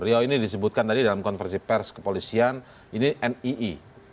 rio ini disebutkan tadi dalam konversi pers ke polisian ini nii